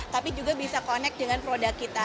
tapi juga bisa connect dengan produk kita